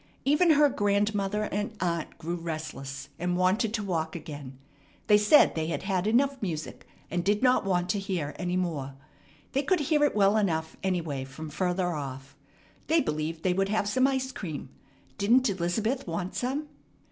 Even her grandmother and aunt grew restless, and wanted to walk again. They said they had had enough music, and did not want to hear any more. They could hear it well enough, anyway, from further off. They believed they would have some ice cream. Didn't Elizabeth want some?